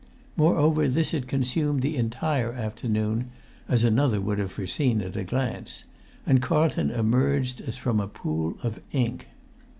Moreover, this had consumed the entire afternoon, as another would have foreseen at a glance, and Carlton emerged as from a pool of ink.